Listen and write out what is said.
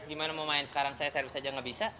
gimana mau main sekarang saya serius aja gak bisa